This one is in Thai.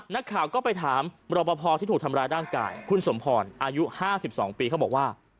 นักข่าวก็ไปถามรอปภที่ถูกทำร้ายร่างกายคุณสมพรอายุ๕๒ปีเขาบอกว่า